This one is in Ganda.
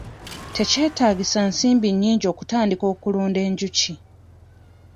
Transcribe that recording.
Tekyetagisa nsimbi nnyingi kutandika kulunda njuki.